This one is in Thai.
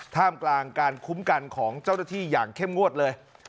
ท่ามกลางการคุ้มกันของเจ้าหน้าที่อย่างเข้มงวดเลย